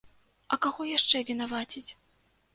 А каго яшчэ вінаваціць?